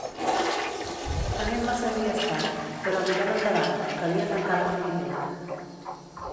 Anem massa dies tard, però mirem endavant, calia tancar la frontera.